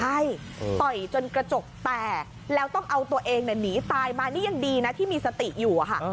ใช่ต่อยจนกระจกแตกแล้วต้องเอาตัวเองหนีตายมานี่ยังดีนะที่มีสติอยู่อะค่ะ